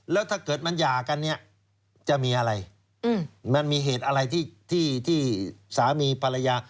แล้วถ้าเกิดมันหย่ากันเนี่ยจะมีอะไรมันมีเหตุอะไรที่สามีภรรยา